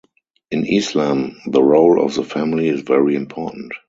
In Islam, the role of the family is very important.